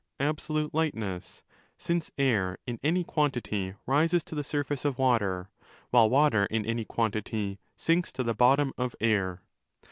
4 | 311" absolute lightness, since air in any quantity rises to the sur face of water, while water in any quantity sinks to the bottom of air.